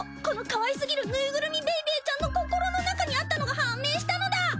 このかわいすぎるぬいぐるみベイベーちゃんの心の中にあったのが判明したのだ！